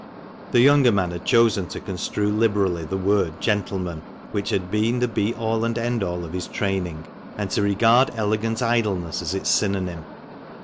The younger man had chosen to construe liberally the word " gentleman," which had been the be all and end all of his training, and to regard elegant idleness as its synonym.